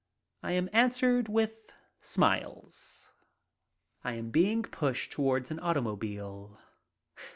I am answered with smiles. I am being pushed toward an automobile.